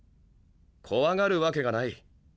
怖がるわけがない。